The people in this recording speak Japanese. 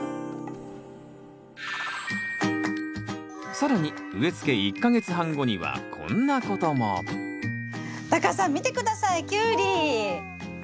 更に植え付け１か月半後にはこんなこともタカさん見て下さいキュウリ！わ！